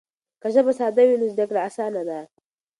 که ژبه ساده وي نو زده کړه اسانه ده.